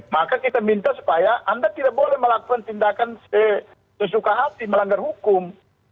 maka kita minta supaya anda tidak boleh melakukan tindakan sesuka hati melanggar hukum